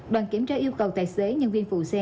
đoàn kiểm tra yêu cầu tài xế nhân viên phụ xe